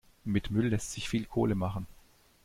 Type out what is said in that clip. Mit Müll lässt sich viel Kohle machen.